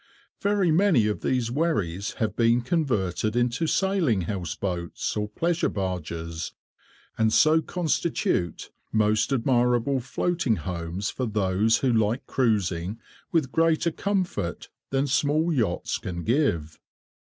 Very many of these wherries have been converted into sailing house boats or pleasure barges, and so constitute most admirable floating homes for those who like cruising with greater comfort than small yachts can give.